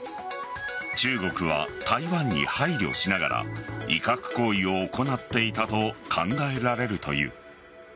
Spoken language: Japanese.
中国は台湾に配慮しながら威嚇行為を行っていたと考えられるという。